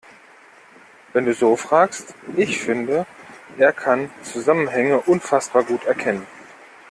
Wenn du so fragst, ich finde, er kann Zusammenhänge unfassbar gut erkennen.